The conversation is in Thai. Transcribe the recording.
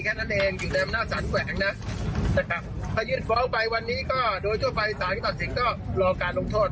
อยู่ในมนักศาลแขวงนะครับถ้ายืดเวาไปวันนี้ก็โดยช่วงไปศาลทีตัดสิงฯก็รอการลงโทษ